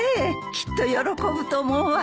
きっと喜ぶと思うわよ。